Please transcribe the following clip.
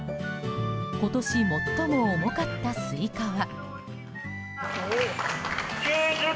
今年最も重かったスイカは。